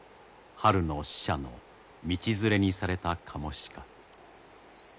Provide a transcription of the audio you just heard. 春の使者の道連れにされたカモシカ。